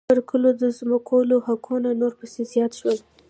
پر کلو د ځمکوالو حقوق نور پسې زیات شول